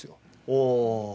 おお。